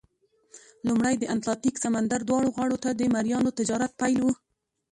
لومړی د اتلانتیک سمندر دواړو غاړو ته د مریانو تجارت پیل وو.